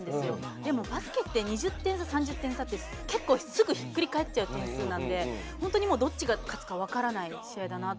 でも、バスケって２０点差、３０点差って結構すぐひっくり返っちゃう点数なんで本当にどっちが勝つか分からない試合だなって。